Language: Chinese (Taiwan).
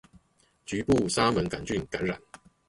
局部沙門桿菌感染